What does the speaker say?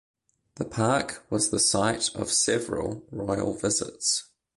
The park was the site of several royal visits.